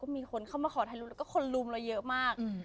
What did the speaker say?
มีคนเข้ามาขอถ่ายรูปแล้วก็คนลุมเราเยอะมาก